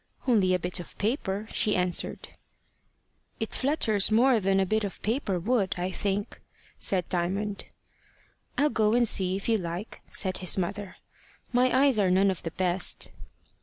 "Only a bit of paper," she answered. "It flutters more than a bit of paper would, I think," said Diamond. "I'll go and see if you like," said his mother. "My eyes are none of the best."